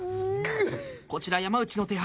こちら山内の手牌。